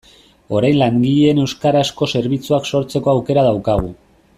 Orain langileen euskarazko zerbitzuak sortzeko aukera daukagu.